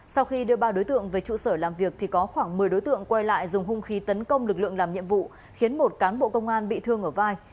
sau khi đưa ba đối tượng về trụ sở làm việc thì có khoảng một mươi đối tượng quay lại dùng hung khí tấn công lực lượng làm nhiệm vụ khiến một cán bộ công an bị thương ở vai